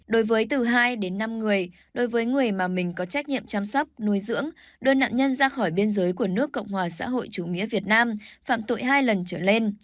đối với từ hai đến năm người đối với người mà mình có trách nhiệm chăm sóc nuôi dưỡng đưa nạn nhân ra khỏi biên giới của nước cộng hòa xã hội chủ nghĩa việt nam phạm tội hai lần trở lên